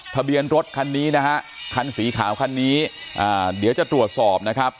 ทะเบียนรถคันนี้นะฮะคันสีขาวคันนี้เดี๋ยวจะตรวจสอบนะครับ